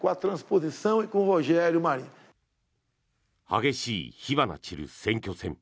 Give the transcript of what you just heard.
激しい火花散る選挙戦。